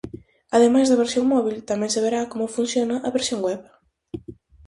Ademais da versión móbil, tamén se verá como funciona a versión web.